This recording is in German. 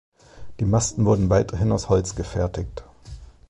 Die Masten wurden weiterhin aus Holz gefertigt.